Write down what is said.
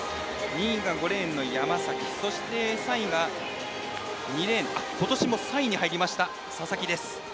２位が５レーンの山崎そして、３位は２レーン今年も３位に入りました佐々木です。